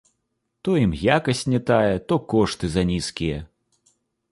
То ім якасць не тая, то кошты занізкія.